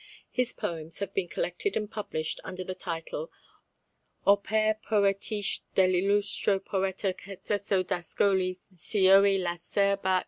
His poems have been collected and published under the title _Opere Poetiche del' illustro poeta Cecco d'Ascoli, cioë, l'acerba.